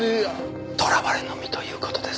捕らわれの身という事です。